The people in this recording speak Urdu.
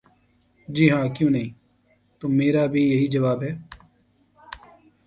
''جی ہاں، کیوں نہیں‘‘ ''تو میرا بھی یہی جواب ہے۔